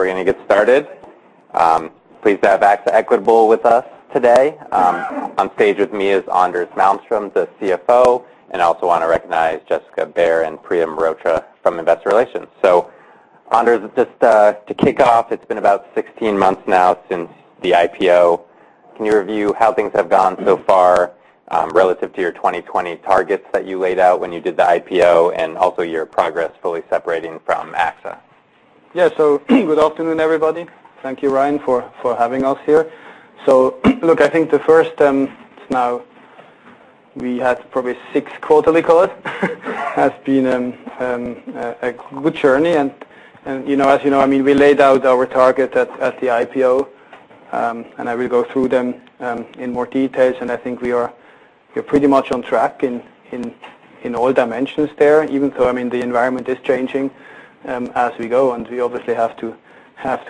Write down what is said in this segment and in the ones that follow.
We're going to get started. Pleased to have AXA Equitable with us today. On stage with me is Anders Malmstrom, the CFO, and I also want to recognize Jessica Baehr and Priya Mehrotra from Investor Relations. Anders, just to kick off, it's been about 16 months now since the IPO. Can you review how things have gone so far relative to your 2020 targets that you laid out when you did the IPO, and also your progress fully separating from AXA? Good afternoon, everybody. Thank you, Ryan, for having us here. Look, I think the first, it's now we had probably 6 quarterly calls, has been a good journey. As you know, we laid out our target at the IPO, I will go through them in more details, I think we are pretty much on track in all dimensions there, even though the environment is changing as we go, we obviously have to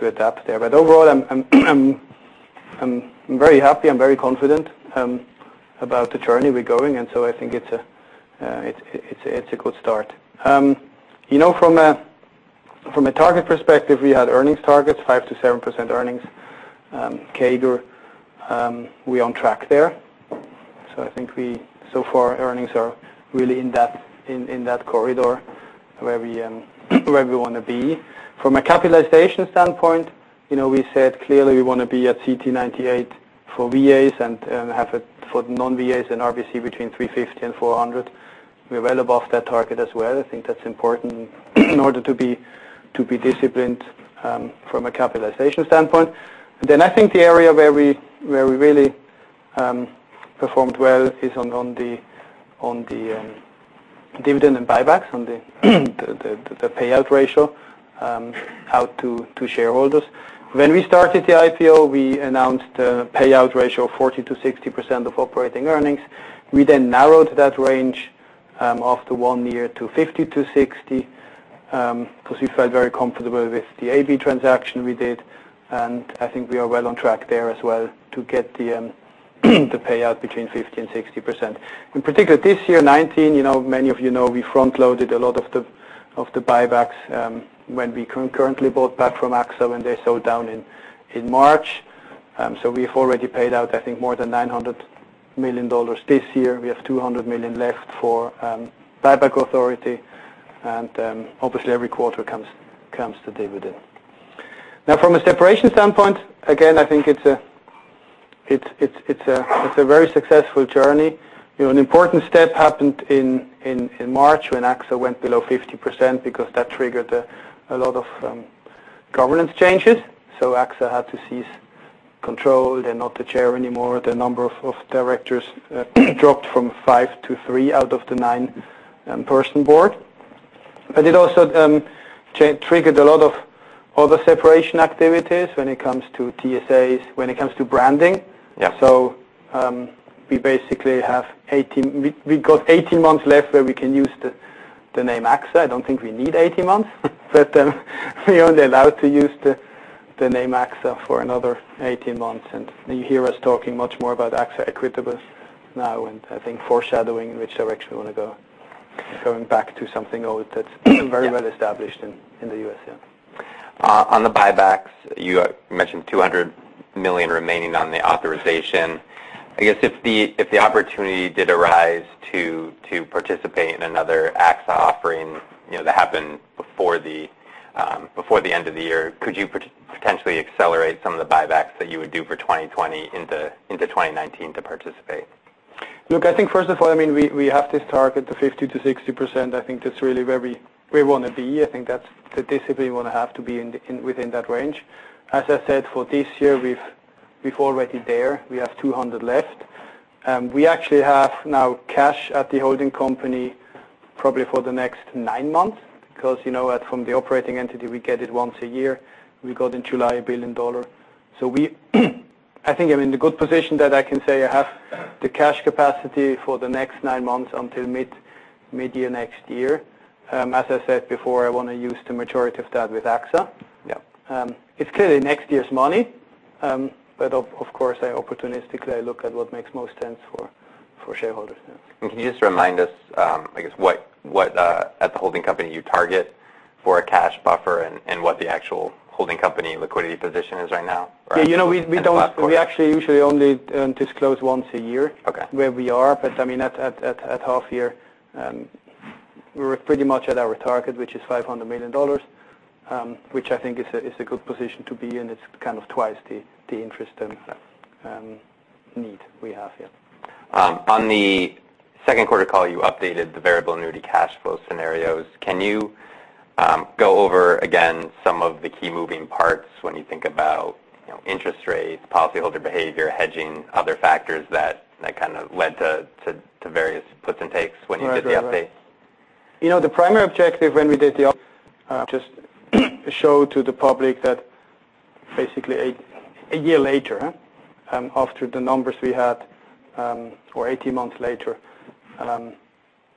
adapt there. Overall, I'm very happy, I'm very confident about the journey we're going. I think it's a good start. From a target perspective, we had earnings targets, 5%-7% earnings CAGR. We're on track there. I think so far earnings are really in that corridor where we want to be. From a capitalization standpoint, we said, clearly, we want to be at CTE98 for VAs and have it for non-VAs and RBC between 350-400. We're well above that target as well. I think that's important in order to be disciplined from a capitalization standpoint. I think the area where we really performed well is on the dividend and buybacks, on the payout ratio out to shareholders. When we started the IPO, we announced a payout ratio of 40%-60% of operating earnings. We narrowed that range after 1 year to 50%-60%, because we felt very comfortable with the AB transaction we did, I think we are well on track there as well to get the payout between 50% and 60%. In particular, this year, 2019, many of you know we front-loaded a lot of the buybacks when we concurrently bought back from AXA when they sold down in March. We've already paid out, I think, more than $900 million this year. We have $200 million left for buyback authority, obviously every quarter comes the dividend. From a separation standpoint, again, I think it's a very successful journey. An important step happened in March when AXA went below 50%, because that triggered a lot of governance changes. AXA had to cease control. They're not the chair anymore. The number of directors dropped from 5 to 3 out of the 9-person board. It also triggered a lot of other separation activities when it comes to TSAs, when it comes to branding. Yeah. We basically have we got 18 months left where we can use the name AXA. I don't think we need 18 months, but we're only allowed to use the name AXA for another 18 months. You hear us talking much more about AXA Equitable now, and I think foreshadowing which direction we want to go, going back to something old that's very well established in the U.S.A. On the buybacks, you mentioned $200 million remaining on the authorization. I guess if the opportunity did arise to participate in another AXA offering that happened before the end of the year, could you potentially accelerate some of the buybacks that you would do for 2020 into 2019 to participate? Look, I think first of all, we have this target, the 50%-60%. I think that's really where we want to be. I think that's the discipline we want to have, to be within that range. As I said, for this year, we're already there. We have $200 left. We actually have now cash at the holding company probably for the next nine months, because from the operating entity, we get it once a year. We got in July $1 billion. I think I'm in the good position that I can say I have the cash capacity for the next nine months until mid-year next year. As I said before, I want to use the majority of that with AXA. Yeah. It's clearly next year's money, but of course, opportunistically, I look at what makes most sense for shareholders. Yeah. Can you just remind us, I guess, what at the holding company you target for a cash buffer and what the actual holding company liquidity position is right now? Yeah. We actually usually only disclose once a year. Okay where we are. At half year, we were pretty much at our target, which is $500 million, which I think is a good position to be in. It's kind of twice the interest and need we have here. On the second quarter call, you updated the Variable Annuity cash flow scenarios. Can you go over again some of the key moving parts when you think about interest rates, policyholder behavior, hedging, other factors that kind of led to various puts and takes when you did the update? Right. The primary objective when we did the update, just show to the public that basically a year later, after the numbers we had, or 18 months later,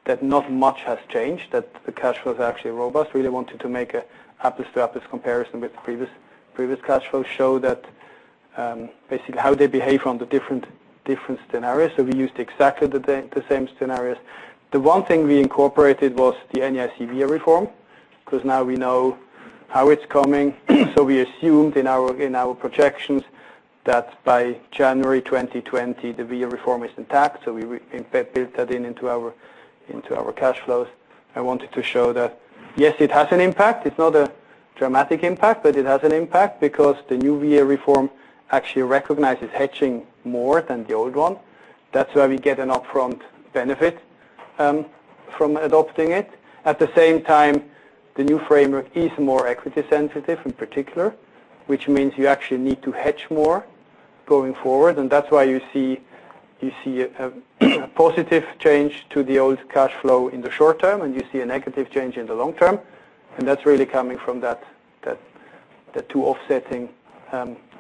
that not much has changed, that the cash flow is actually robust. We really wanted to make an apples-to-apples comparison with the previous cash flow, show that Basically how they behave on the different scenarios. We used exactly the same scenarios. The one thing we incorporated was the NAIC VA reform, because now we know how it's coming. We assumed in our projections that by January 2020, the VA reform is intact, so we built that into our cash flows. I wanted to show that, yes, it has an impact. It's not a dramatic impact, but it has an impact because the new VA reform actually recognizes hedging more than the old one. That's why we get an upfront benefit from adopting it. At the same time, the new framework is more equity sensitive in particular, which means you actually need to hedge more going forward. That's why you see a positive change to the old cash flow in the short term, and you see a negative change in the long term. That's really coming from the two offsetting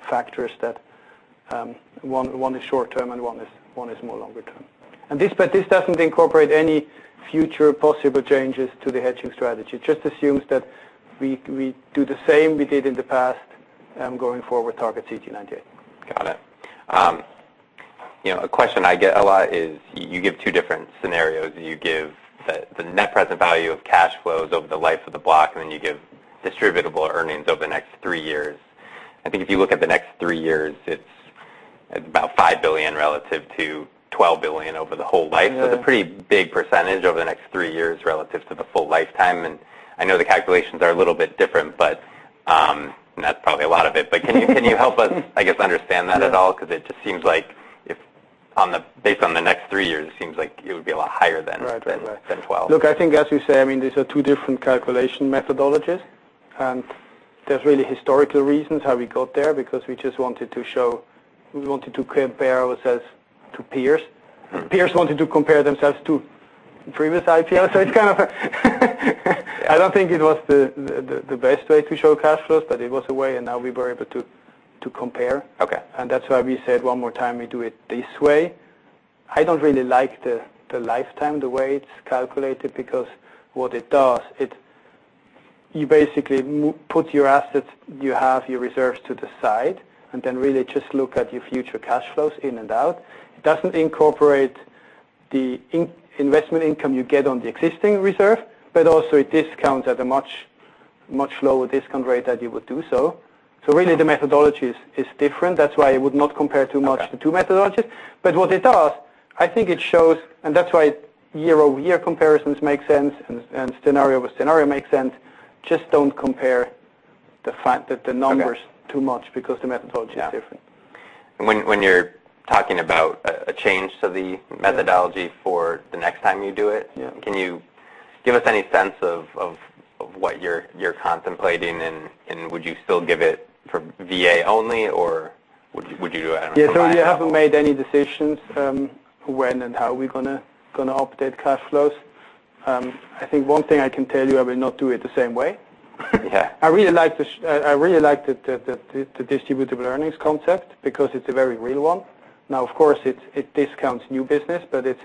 factors. One is short-term and one is more longer-term. This doesn't incorporate any future possible changes to the hedging strategy. It just assumes that we do the same we did in the past, going forward target CTE98. Got it. A question I get a lot is you give two different scenarios. You give the net present value of cash flows over the life of the block, and then you give distributable earnings over the next three years. I think if you look at the next three years, it's about $5 billion relative to $12 billion over the whole life. Yeah. It's a pretty big percentage over the next three years relative to the full lifetime. I know the calculations are a little bit different, and that's probably a lot of it, but can you help us, I guess, understand that at all? Yeah. It just seems like based on the next three years, it seems like it would be a lot higher than. Right 12. Look, I think as you say, these are two different calculation methodologies, there's really historical reasons how we got there, because we wanted to compare ourselves to peers. Peers wanted to compare themselves to previous IPOs. It's kind of I don't think it was the best way to show cash flows, but it was a way, and now we were able to compare. Okay. That's why we said one more time, we do it this way. I don't really like the lifetime, the way it's calculated, because what it does, you basically put your assets, you have your reserves to the side, and then really just look at your future cash flows in and out. It doesn't incorporate the investment income you get on the existing reserve, but also it discounts at a much lower discount rate that you would do so. Really the methodologies is different. That's why I would not compare too much. Okay the two methodologies. What it does, I think it shows, and that's why year-over-year comparisons make sense and scenario over scenario makes sense. Just don't compare the fact that the numbers. Okay too much because the methodology is different. Yeah. When you're talking about a change to the methodology for the next time you do it. Yeah Can you give us any sense of what you're contemplating, and would you still give it for VA only, or would you do it, I don't know, combined? Yeah. We haven't made any decisions when and how we're going to update cash flows. I think one thing I can tell you, I will not do it the same way. Yeah. I really like the distributable earnings concept because it's a very real one. Now, of course, it discounts new business, but it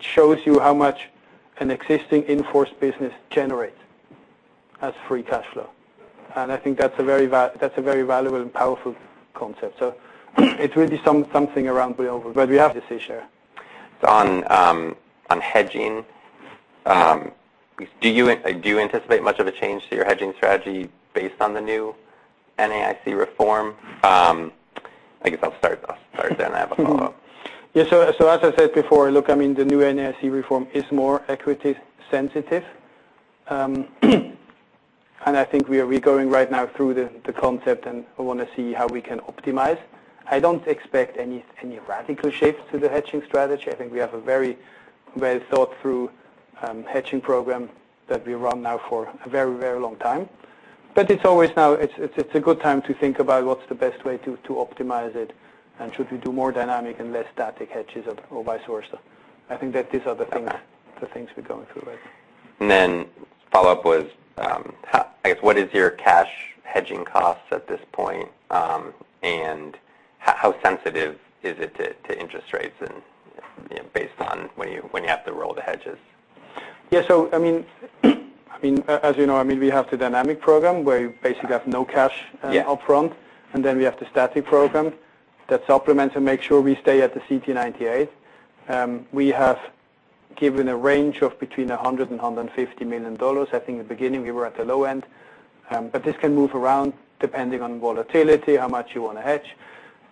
shows you how much an existing in-force business generates as free cash flow. I think that's a very valuable and powerful concept. It will be something around [build-over], but we have decision. On hedging, do you anticipate much of a change to your hedging strategy based on the new NAIC reform? I guess I'll start then. I have a follow-up. As I said before, look, the new NAIC reform is more equity sensitive. I think we are going right now through the concept, and I want to see how we can optimize. I don't expect any radical shapes to the hedging strategy. I think we have a very well-thought-through hedging program that we run now for a very long time. It's a good time to think about what's the best way to optimize it, and should we do more dynamic and less static hedges, or vice versa. I think that these are the things we're going through right now. Follow-up was, I guess, what is your cash hedging costs at this point? How sensitive is it to interest rates and based on when you have to roll the hedges? Yeah. As you know, we have the dynamic program where you basically have no cash upfront. Yeah. We have the static program that supplements and makes sure we stay at the CTE98. We have given a range of between $100 million and $150 million. I think in the beginning, we were at the low end. This can move around depending on volatility, how much you want to hedge.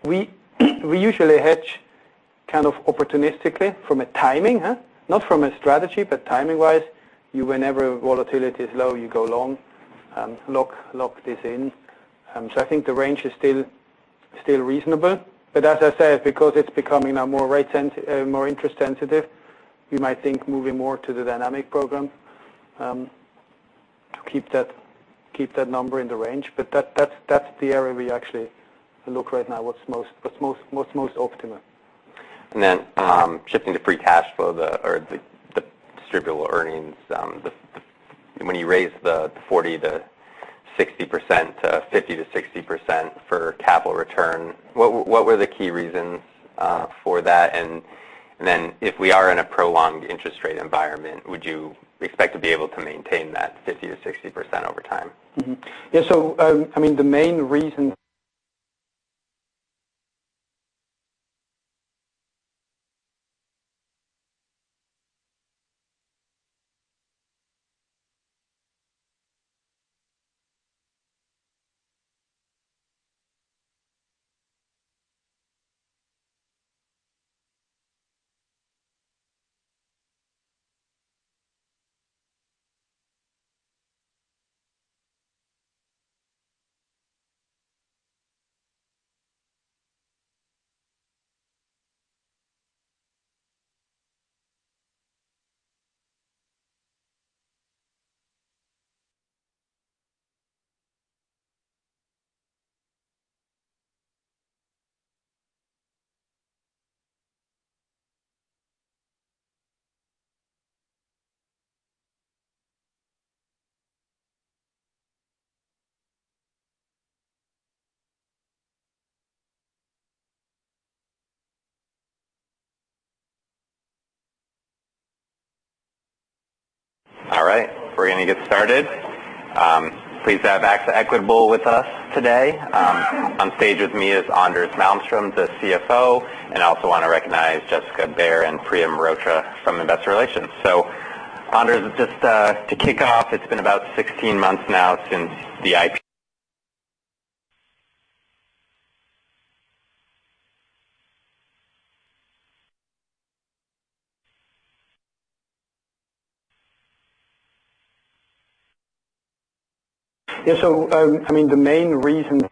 We usually hedge opportunistically from a timing, not from a strategy, but timing-wise. Whenever volatility is low, you go long, lock this in. I think the range is still reasonable. As I said, because it's becoming now more interest sensitive, we might think moving more to the dynamic program to keep that number in the range. That's the area we actually look right now what's most optimal. Shifting to free cash flow or the distributable earnings. When you raise the 40%-60% to 50%-60% for capital return, what were the key reasons for that? If we are in a prolonged interest rate environment, would you expect to be able to maintain that 50%-60% over time? Mm-hmm. Yeah. We're going to get started. Pleased to have AXA Equitable with us today. On stage with me is Anders Malmstrom, the CFO, and I also want to recognize Jessica Baehr and Priya Mehrotra from Investor Relations. Anders, just to kick off, it's been about 16 months now since the IP- Yeah. the main reason-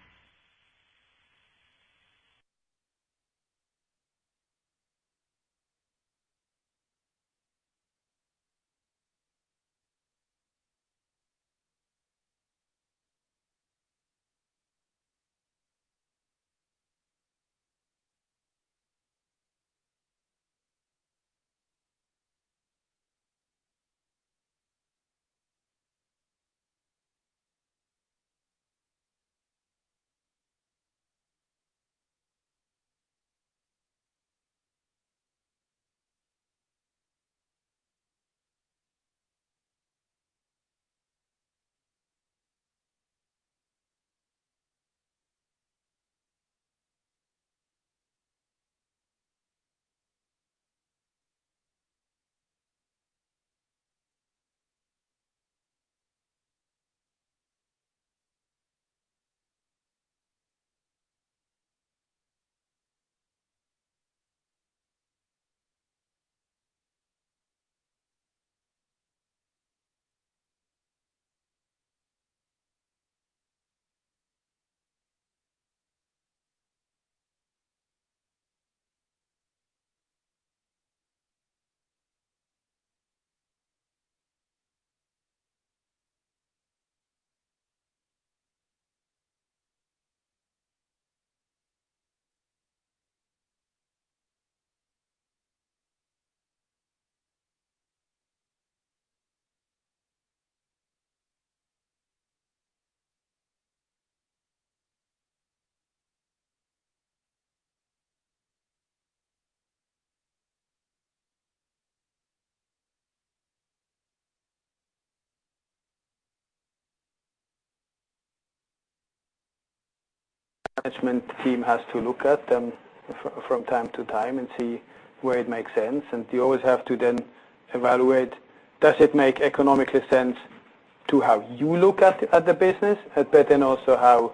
Management team has to look at them from time to time and see where it makes sense. You always have to then evaluate, does it make economical sense to how you look at the business, also how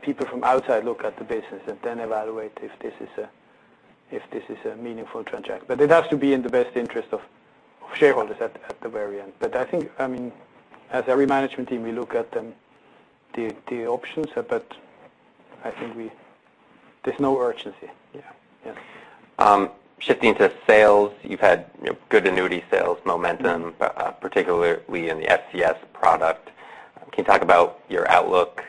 people from outside look at the business and then evaluate if this is a meaningful transaction. It has to be in the best interest of shareholders at the very end. I think, as every management team, we look at the options, but I think there's no urgency. Yeah. Yeah. Shifting to sales. You've had good annuity sales momentum, particularly in the SCS product. Can you talk about your outlook,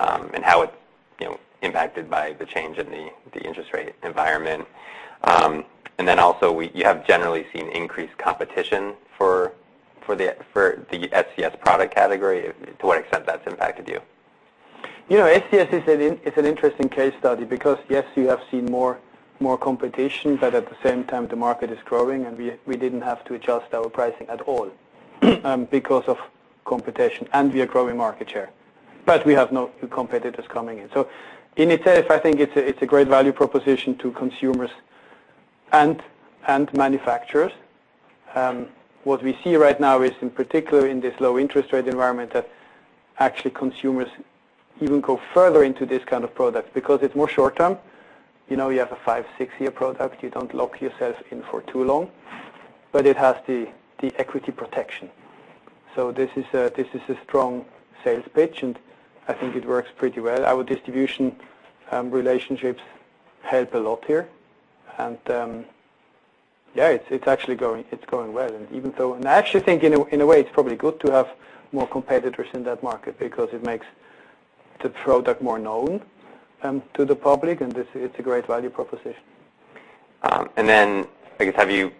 and how it's impacted by the change in the interest rate environment? Also, you have generally seen increased competition for the SCS product category, to what extent that's impacted you? SCS is an interesting case study because, yes, you have seen more competition, but at the same time, the market is growing, and we didn't have to adjust our pricing at all because of competition, and we are growing market share. We have new competitors coming in. In itself, I think it's a great value proposition to consumers and manufacturers. What we see right now is, in particular in this low interest rate environment, that actually consumers even go further into this kind of product because it's more short-term. You have a five, six-year product. You don't lock yourself in for too long. It has the equity protection. This is a strong sales pitch, and I think it works pretty well. Our distribution relationships help a lot here. Yeah, it's actually going well. I actually think, in a way, it's probably good to have more competitors in that market because it makes the product more known to the public, and it's a great value proposition. I guess,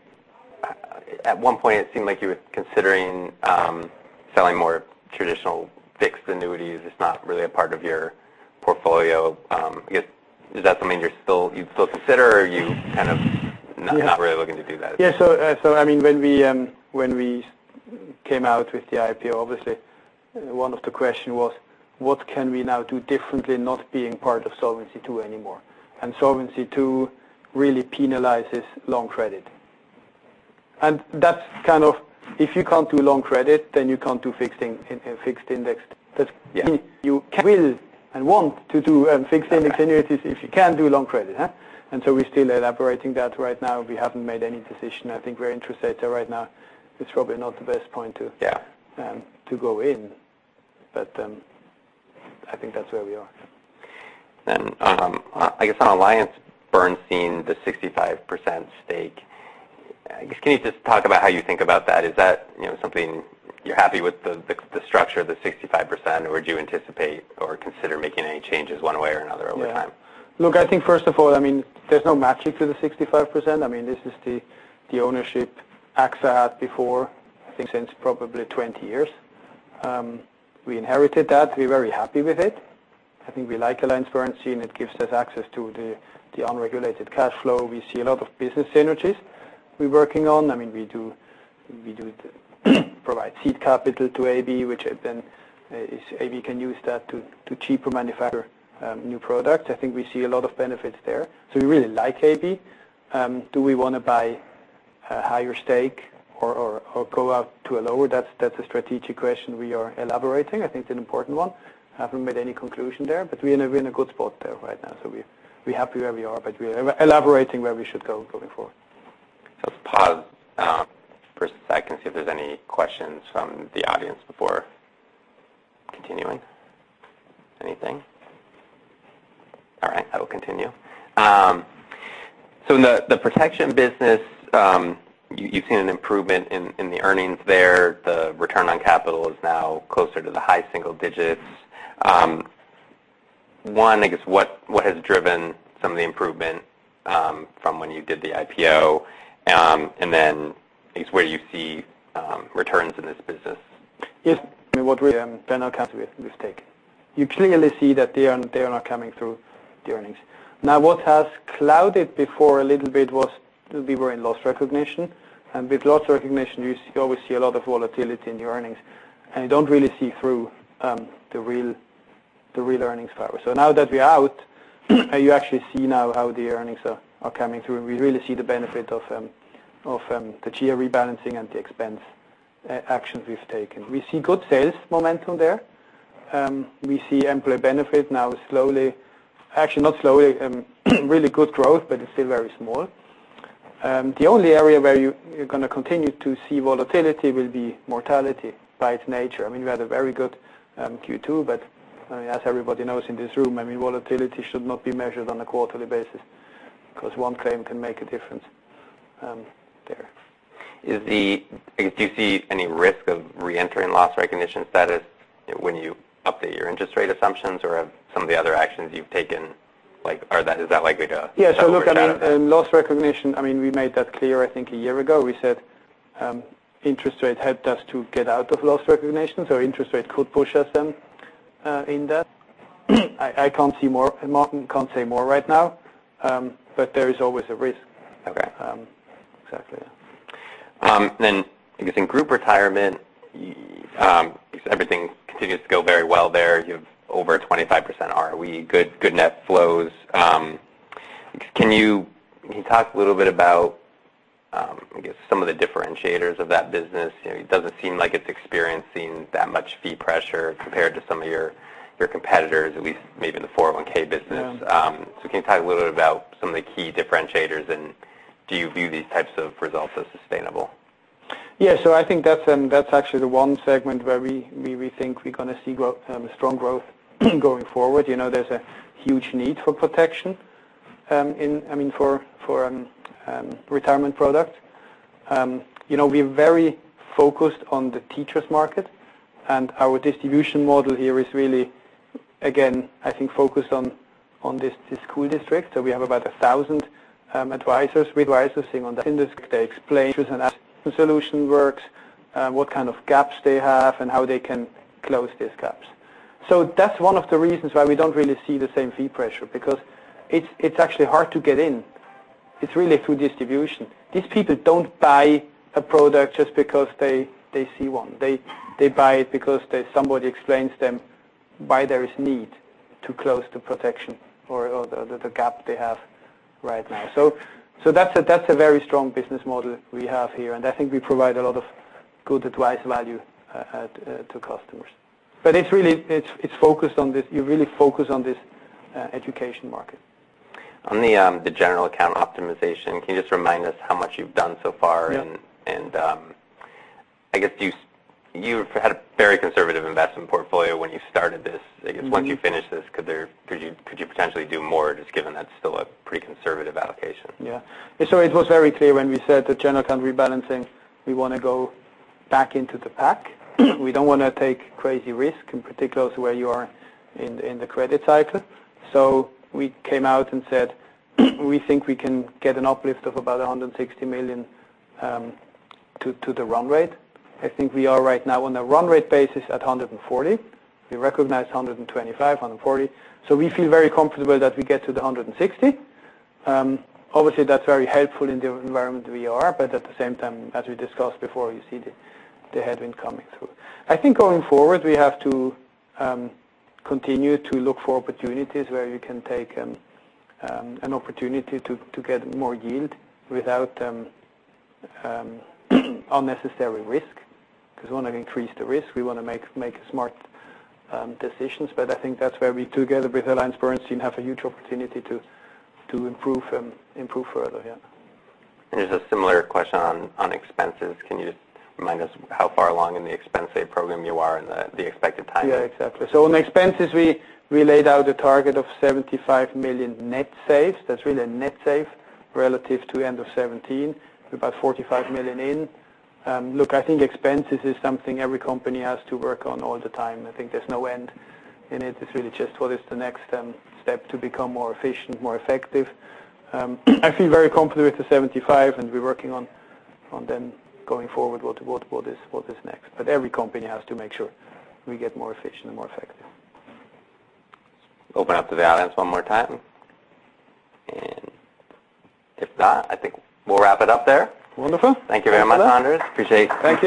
at one point, it seemed like you were considering selling more traditional fixed annuities. It's not really a part of your portfolio. I guess, is that something you'd still consider or are you kind of not really looking to do that? Yeah. When we came out with the IPO, obviously, one of the questions was: what can we now do differently not being part of Solvency II anymore? Solvency II really penalizes long credit. If you can't do long credit, you can't do fixed index. That means you will and want to do fixed index annuities if you can't do long credit. We're still elaborating that right now, we haven't made any decision. I think we're interested, right now it's probably not the best point. Yeah to go in. I think that's where we are. I guess on AllianceBernstein, the 65% stake. I guess, can you just talk about how you think about that? Is that something you're happy with the structure of the 65%, or do you anticipate or consider making any changes one way or another over time? I think first of all, there's no magic to the 65%. This is the ownership AXA had before, I think since probably 20 years. We inherited that. We're very happy with it. I think we like AllianceBernstein. It gives us access to the unregulated cash flow. We see a lot of business synergies we're working on. We do provide seed capital to AB, which then AB can use that to cheaper manufacture new products. I think we see a lot of benefits there. We really like AB. Do we want to buy a higher stake or go out to a lower? That's a strategic question we are elaborating. I think it's an important one. Haven't made any conclusion there. We're in a good spot there right now, so we're happy where we are, but we are elaborating where we should go going forward. Let's pause for a second, see if there's any questions from the audience before continuing. Anything? All right, I will continue. In the protection business, you've seen an improvement in the earnings there. The return on capital is now closer to the high single digits. One, I guess, what has driven some of the improvement from when you did the IPO? Where do you see returns in this business? Yes. I mean, what we [I'll calculate with stake]. You clearly see that they are not coming through the earnings. Now, what has clouded before a little bit was we were in loss recognition. With loss recognition, you always see a lot of volatility in the earnings, and you don't really see through the real earnings power. Now that we are out, you actually see now how the earnings are coming through, and we really see the benefit of the geo rebalancing and the expense actions we've taken. We see good sales momentum there. We see employee benefit now slowly Actually, not slowly, really good growth, but it's still very small. The only area where you're going to continue to see volatility will be mortality by its nature. We had a very good Q2. As everybody knows in this room, volatility should not be measured on a quarterly basis. One claim can make a difference there. Do you see any risk of reentering loss recognition status when you update your interest rate assumptions, or have some of the other actions you've taken, is that likely? Yeah. balance out? loss recognition, we made that clear, I think a year ago. We said interest rate helped us to get out of loss recognition, interest rate could push us then in that. I can't say more right now. There is always a risk. Okay. Exactly. I guess in group retirement, everything continues to go very well there. You have over 25% ROE, good net flows. Can you talk a little bit about, I guess, some of the differentiators of that business? It doesn't seem like it's experiencing that much fee pressure compared to some of your competitors, at least maybe in the 401 business. Yeah. Can you talk a little bit about some of the key differentiators, and do you view these types of results as sustainable? I think that's actually the one segment where we think we're going to see strong growth going forward. There's a huge need for protection, for retirement product. We're very focused on the teachers market, and our distribution model here is really, again, I think focused on the school district. We have about 1,000 advisors, with advisors sitting on the. They explain to us the solution works, what kind of gaps they have, and how they can close these gaps. That's one of the reasons why we don't really see the same fee pressure, because it's actually hard to get in. It's really through distribution. These people don't buy a product just because they see one. They buy it because somebody explains to them why there is need to close the protection or the gap they have right now. That's a very strong business model we have here, and I think we provide a lot of good advice value to customers. It's focused on this. You really focus on this education market. On the general account optimization, can you just remind us how much you've done so far? Yeah. I guess you had a very conservative investment portfolio when you started this. Yeah. I guess once you finish this, could you potentially do more, just given that's still a pretty conservative allocation? Yeah. It was very clear when we said the general account rebalancing, we want to go back into the pack. We don't want to take crazy risk, in particular to where you are in the credit cycle. We came out and said we think we can get an uplift of about $160 million to the run rate. I think we are right now on a run rate basis at $140. We recognize $125, $140. We feel very comfortable that we get to the $160. Obviously, that's very helpful in the environment we are, at the same time, as we discussed before, you see the headwind coming through. I think going forward, we have to continue to look for opportunities where we can take an opportunity to get more yield without unnecessary risk. We want to increase the risk. We want to make smart decisions. I think that's where we, together with AllianceBernstein, have a huge opportunity to improve further, yeah. Just a similar question on expenses. Can you just remind us how far along in the expense save program you are and the expected timing? On expenses, we laid out a target of $75 million net saves. That's really a net save relative to end of 2017. We're about $45 million in. I think expenses is something every company has to work on all the time. I think there's no end in it. It's really just what is the next step to become more efficient, more effective. I feel very confident with the 75 and we're working on them going forward, what is next. Every company has to make sure we get more efficient and more effective. Open up to the audience one more time. If not, I think we'll wrap it up there. Wonderful. Thank you very much, Anders. Appreciate it.